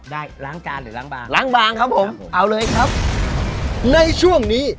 ได้ล้างจานหรือล้างบางล้างบางครับผมเอาเลยครับในช่วงนี้